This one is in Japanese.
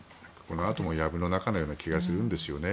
何ともやぶの中のような気がするんですよね。